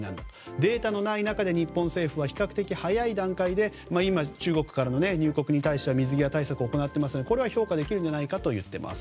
データのない中で日本政府は比較的早い段階で今、中国からの入国に対しては水際対策を行っていますがこれは評価できるんじゃないかと言っています。